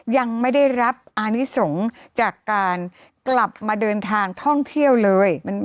ยังไม่ได้รับอานิสงฆ์จากการกลับมาเดินทางท่องเที่ยวเลย